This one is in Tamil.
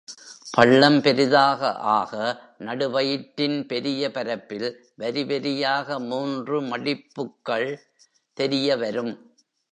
பள்ளம் பெரிதாக ஆக, நடு வயிற்றின் பெரிய பரப்பில் வரிவரியாக மூன்று மடிப்புக்கள் தெரியவரும்.